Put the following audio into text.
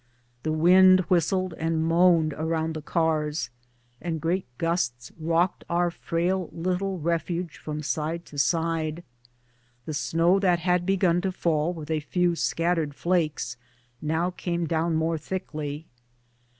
The wind whistled and moaned around the cars, and great gusts rocked our frail little refuge from side to side. The snow that had begun to fall with a few scattered flakes now came down more thickly.